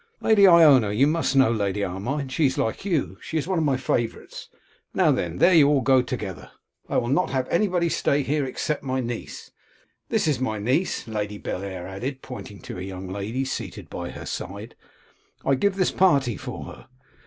Lady Ionia, you must know Lady Armine; she is like you; she is one of my favourites. Now then, there all of you go together. I will not have anybody stay here except my niece. This is my niece,' Lady Bellair added, pointing to a young lady seated by her side; 'I give this party for her.